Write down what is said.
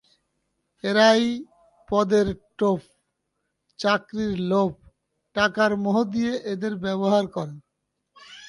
এঁরাই পদের টোপ, চাকরির লোভ, টাকার মোহ দিয়ে এদের ব্যবহার করেন।